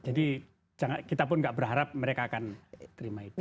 jadi kita pun gak berharap mereka akan terima itu